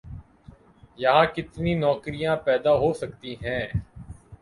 یہاں کتنی نوکریاں پیدا ہو سکتی ہیں؟